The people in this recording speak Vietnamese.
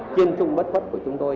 chuyên trung bất khuất của chúng tôi